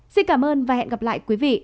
xin cảm ơn và hẹn gặp lại quý vị